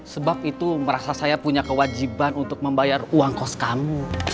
sebab itu merasa saya punya kewajiban untuk membayar uang kos kamu